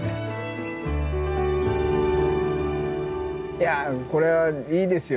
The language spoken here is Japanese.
いやこれはいいですよね。